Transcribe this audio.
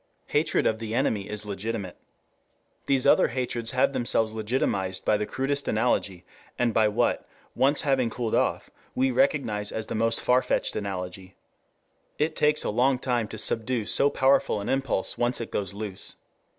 Hatred of the enemy is legitimate. These other hatreds have themselves legitimized by the crudest analogy, and by what, once having cooled off, we recognize as the most far fetched analogy. It takes a long time to subdue so powerful an impulse once it goes loose.